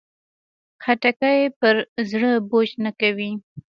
خټکی پر زړه بوج نه کوي.